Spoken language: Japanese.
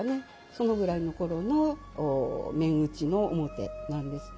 そのぐらいの頃の面打ちの面なんです。